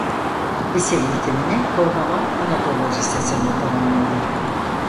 Lise eğitimini Bornova Anadolu Lisesi'nde tamamladı.